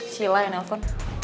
silah yang telfon